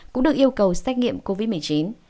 cũng được yêu cầu xét nghiệm covid một mươi chín